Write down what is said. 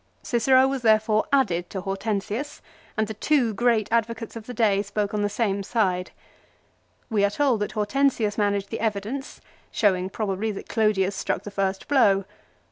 Cicero was therefore added to Hortensius, and the two great advocates of the day spoke on the same side. We are told that Hortensius managed the evidence, showing, probably, that Clodius struck the first blow.